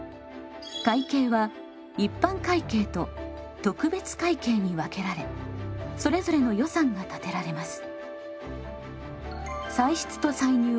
会計は一般会計と特別会計に分けられそれぞれの予算が立てられます。